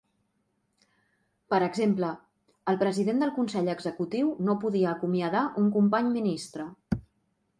Per exemple, el president del consell executiu no podia acomiadar un company ministre.